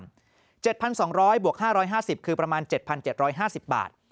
๗๒๐๐เพราะ๕๕๐บาทคือประมาณ๗๗๕๐บาท